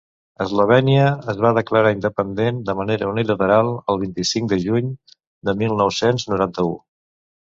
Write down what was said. Eslovènia es va declarar independent, de manera unilateral, el vint-i-cinc de juny de mil nou-cents noranta-u.